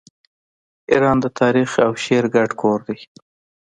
ایران د تاریخ او شعر ګډ کور دی.